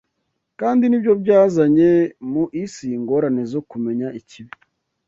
kandi ni byo byazanye mu isi ingorane zo kumenya ikibi.